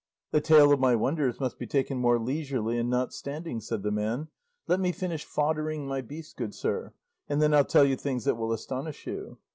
"The tale of my wonders must be taken more leisurely and not standing," said the man; "let me finish foddering my beast, good sir; and then I'll tell you things that will astonish you."